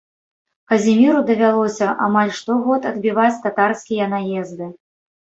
Казіміру давялося амаль штогод адбіваць татарскія наезды.